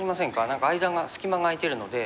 何か間が隙間が空いてるので。